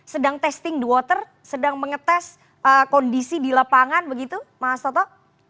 sedang testing the water sedang mengetes kondisi di lapangan begitu mas toto